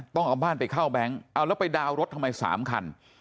ต้องเอาบ้านไปเข้าแบงค์เอาแล้วไปดาวน์รถทำไม๓คัน